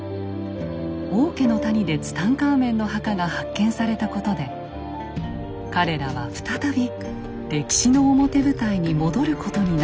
王家の谷でツタンカーメンの墓が発見されたことで彼らは再び歴史の表舞台に戻ることになったのです。